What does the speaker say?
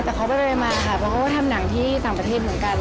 แต่เขาไปมาค่ะเพราะเขาก็ทำหนังที่ต่างประเทศเหมือนกัน